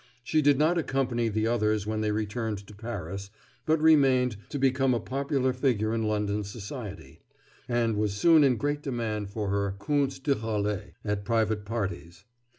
She did not accompany the others when they returned to Paris, but remained, to become a popular figure in London society, and was soon in great demand for her contes drôles at private parties.